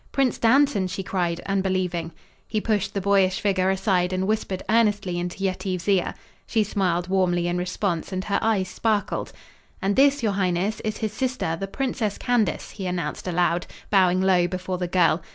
"Prince Dantan!" she cried, unbelieving. He pushed the boyish figure aside and whispered earnestly into Yetive's ear. She smiled warmly in response, and her eyes sparkled. "And this, your highness, is his sister, the Princess Candace," he announced aloud, bowing low before the girl.